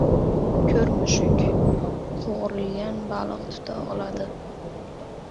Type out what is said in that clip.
• Ko‘r mushuk qovurilgan baliq tutib oldi